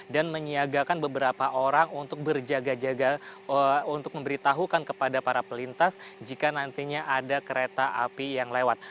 dan menyiagakan beberapa orang untuk berjaga jaga untuk memberitahukan kepada para pelintas jika nantinya ada kereta api yang lewat